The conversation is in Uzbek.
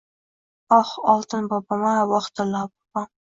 Oh, oltin bobom-a, voh tillo bobom…